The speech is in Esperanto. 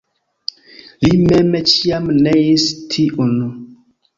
Li mem ĉiam neis tiun.